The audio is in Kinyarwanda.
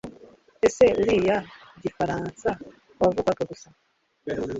Ese uriya Gifaransa wavugaga gusa?